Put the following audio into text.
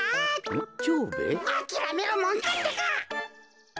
あきらめるもんかってか。